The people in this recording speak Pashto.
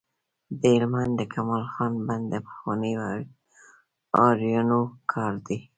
د هلمند د کمال خان بند د پخوانیو آرینو کار دی